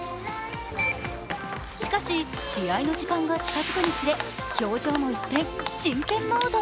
しかし、試合の時間が近づくにつれ表情も一変、真剣モード。